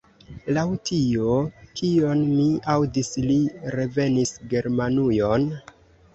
Laŭ tio, kion mi aŭdis, li revenis Germanujon?